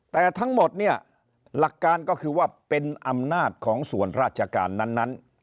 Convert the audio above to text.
แต่ทั้งหมดเนี่ยหลักการก็คือว่าเป็นอำนาจของส่วนราชการนั้น